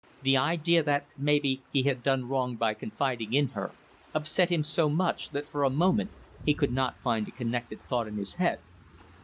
The idea that, maybe, he had done wrong by confiding in her, upset him so much that for a moment he could not find a connected thought in his head.